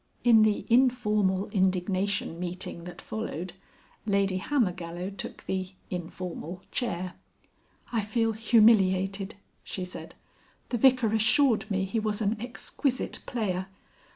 In the informal indignation meeting that followed, Lady Hammergallow took the (informal) chair. "I feel humiliated," she said. "The Vicar assured me he was an exquisite player.